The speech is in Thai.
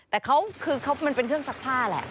แต่เขาคือมันเป็นเครื่องซักผ้าแหละ